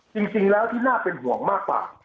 จริงแล้วที่น่าเป็นห่วงมากกว่า